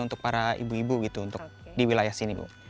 untuk para ibu ibu gitu untuk di wilayah sini bu